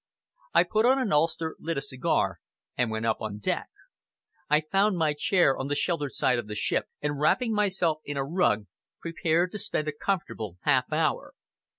I put on an ulster, lit a cigar, and went up on deck. I found my chair on the sheltered side of the ship, and wrapping myself in a rug, prepared to spend a comfortable half hour.